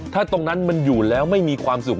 ถ้าตรงนั้นมันอยู่แล้วไม่มีความสุข